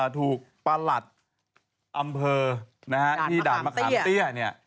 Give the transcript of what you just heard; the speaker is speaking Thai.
ประหลัดอำเภอที่ด่านมะขามเตี้ยเนี่ย